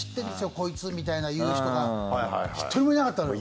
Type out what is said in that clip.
コイツみたいな言う人が一人もいなかったのよ。